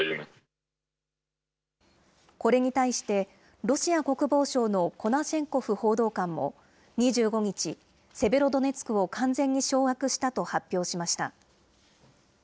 これに対して、ロシア国防省のコナシェンコフ報道官も２５日、セベロドネツクを完全に掌握したと発表しました。